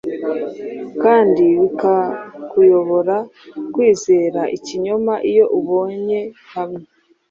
Kandi bikakuyobora kwizera ikinyoma Iyo ubonye hamwe,